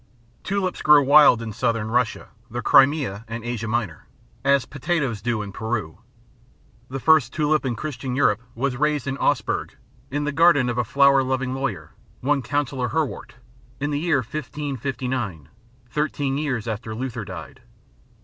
Tulips grow wild in Southern Russia, the Crimea and Asia Minor, as potatoes do in Peru. The first tulip in Christian Europe was raised in Augsburg, in the garden of a flower loving lawyer, one Counsellor Herwart, in the year 1559, thirteen years after Luther died.